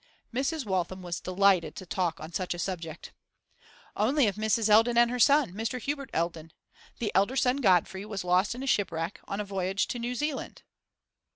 Mrs. Waltham was delighted to talk on such a subject. 'Only of Mrs. Eldon and her son, Mr. Hubert Eldon. The elder son, Godfrey, was lost in a shipwreck, on a voyage to New Zealand.